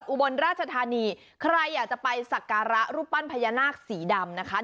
อุบลราชธานีใครอยากจะไปสักการะรูปปั้นพญานาคสีดำนะคะ